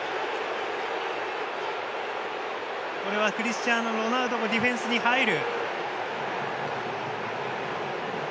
これはクリスチアーノ・ロナウドもディフェンスに入る。